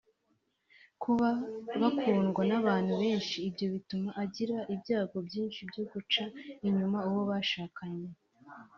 Kuba bakundwa n’abantu benshi ibyo bituma agira ibyago byinshi byo guca inyuma uwo bashakanye